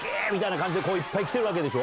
感じでいっぱい来てるわけでしょ。